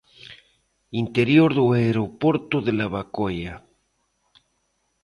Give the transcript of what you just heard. Interior do aeroporto de Lavacolla.